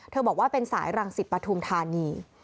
บอกว่าเป็นสายรังสิตปฐุมธานี